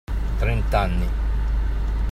Trent’anni.